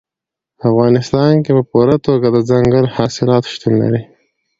په افغانستان کې په پوره توګه دځنګل حاصلات شتون لري.